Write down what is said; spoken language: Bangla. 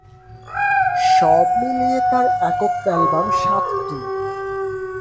সব মিলিয়ে তার একক অ্যালবাম সাতটি।